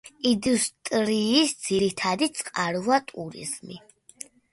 ინდუსტრიის ძირითადი წყაროა ტურიზმი.